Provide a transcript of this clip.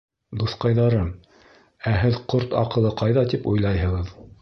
— Дуҫҡайҙарым, ә һеҙ ҡорт аҡылы ҡайҙа тип уйлайһығыҙ?